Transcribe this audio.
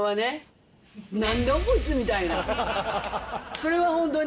それはホントに。